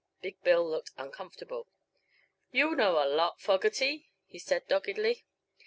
Big Bill looked uncomfortable. "You know a lot, Fogerty," he said, doggedly.